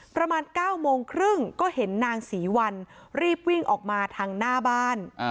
ประมาณ๙โมงครึ่งก็เห็นนางศรีวัลรีบวิ่งออกมาทางหน้าบ้าน